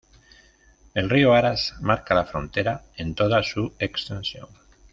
El río Aras marca la frontera en toda su extensión.